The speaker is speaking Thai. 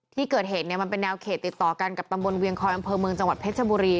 ที่เกิดเหตุเนี่ยมันเป็นแนวเขตติดต่อกันกับตำบลเวียงคอยอำเภอเมืองจังหวัดเพชรบุรี